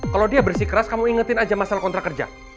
kalo dia bersikeras kamu ingetin aja masalah kontrak kerja